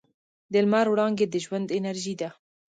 د لمر وړانګې د ژوند انرژي ده.